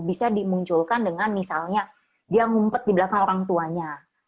bisa dimunculkan dengan misalnya dia ngumpet di belakang orang tuanya